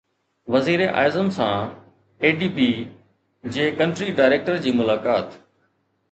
وزيراعظم سان A D B جي ڪنٽري ڊائريڪٽر جي ملاقات